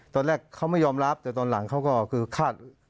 ตอนแรกเขาไม่ยอมรับแต่ตอนหลังเขาก็คือคาด